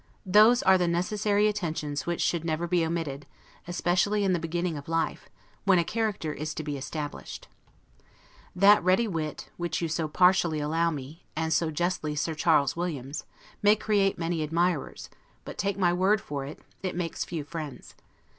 Those are the necessary attentions which should never be omitted, especially in the beginning of life, when a character is to be established. That ready wit; which you so partially allow me, and so justly Sir Charles Williams, may create many admirers; but, take my word for it, it makes few friends.